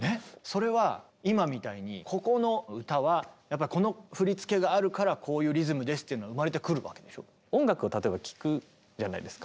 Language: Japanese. それは今みたいにここの歌はやっぱこの振り付けがあるからこういうリズムですっていうのは生まれてくるわけでしょ？